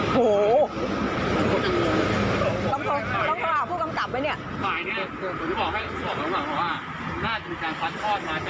เพราะว่าชายตำรวจฝรั่งขมันต้องขนาดนั้นเลยหรอพี่